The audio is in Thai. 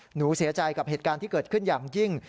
หนูเสียใจกับเหตุการณ์ที่เกิดขึ้นอย่างยิ่ง